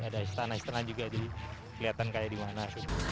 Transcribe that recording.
ada istana istana juga jadi kelihatan kayak di mana